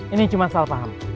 ini cuma soal paham